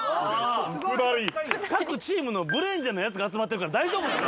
各チームのブレーンじゃないやつが集まってるから大丈夫なの？